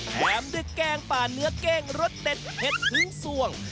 แถมด้วยแกงป่าเนื้อเก้งรสเด็ดเผ็ดถึงส่วง